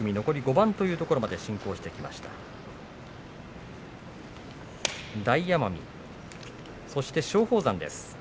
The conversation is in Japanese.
残り５番というところまで進行しています。